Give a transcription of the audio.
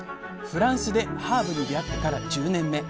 フランスでハーブに出会ってから１０年目。